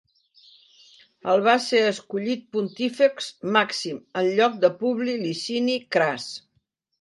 El va ser escollit Pontífex Màxim al lloc de Publi Licini Cras.